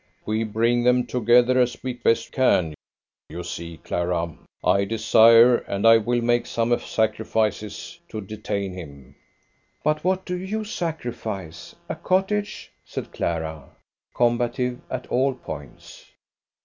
"We bring them together, as we best can. You see, Clara, I desire, and I will make some sacrifices to detain him." "But what do you sacrifice? a cottage?" said Clara, combative at all points.